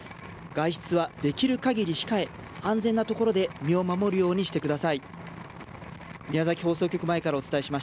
外出はできるかぎり控え、安全な所で身を守るようにしてください。